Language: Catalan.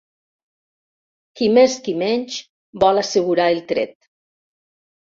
Qui més qui menys vol assegurar el tret.